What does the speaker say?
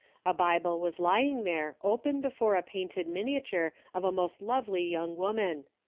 A Bible was lying there open before a painted miniature of a most lovely young woman.